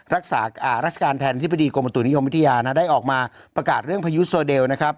รักษาราชการแทนอธิบดีกรมประตูนิยมวิทยานะได้ออกมาประกาศเรื่องพายุโซเดลนะครับ